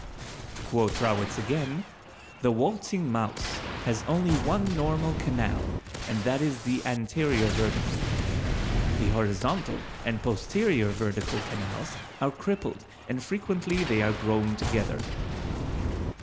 To quote Rawitz again: _The waltzing mouse has only one normal canal and that is the anterior vertical. The horizontal and posterior vertical canals are crippled and frequently they are grown together.